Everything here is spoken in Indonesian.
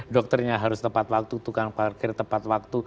dokternya harus tepat waktu tukang parkir tepat waktu